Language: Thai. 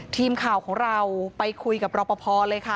ทีมข่าวของเราไปคุยกับรอปภเลยค่ะ